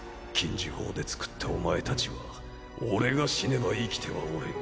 呪法で作ったお前たちは俺が死ねば生きてはおれん。